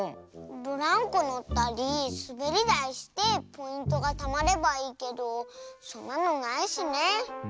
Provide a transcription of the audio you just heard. ブランコのったりすべりだいしてポイントがたまればいいけどそんなのないしね。